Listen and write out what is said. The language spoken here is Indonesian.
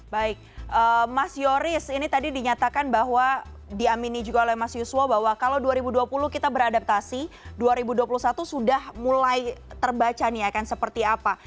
baik mas yoris ini tadi dinyatakan bahwa diamini juga oleh mas yuswo bahwa kalau dua ribu dua puluh kita beradaptasi dua ribu dua puluh satu sudah mulai terbaca nih akan seperti apa